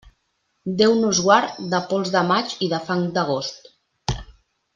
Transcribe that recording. Déu nos guard de pols de maig i de fang d'agost.